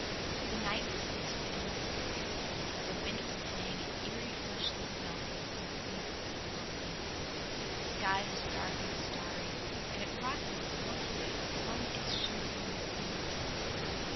The night was scented and mysterious. The wind was playing an eerie fleshless melody in the reeds of the brook hollow. The sky was dark and starry, and across it the Milky Way flung its shimmering misty ribbons.